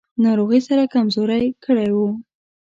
ناروغۍ سره کمزوری کړی و.